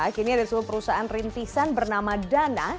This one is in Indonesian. akhirnya ada sebuah perusahaan rintisan bernama dana